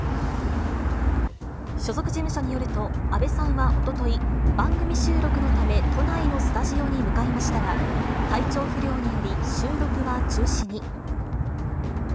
所属事務所によると、あべさんはおととい、番組収録のため、都内のスタジオに向かいましたが、体調不良により、収録は中止に。